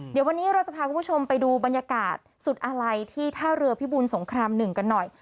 เดี๋ยววันนี้เราจะพาคุณผู้ชมไปดูบรรยากาศสุดอาลัยที่ท่าเรือพิบูลสงคราม๑กันหน่อย